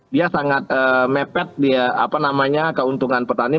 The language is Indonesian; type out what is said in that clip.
dia sangat mepet keuntungan petani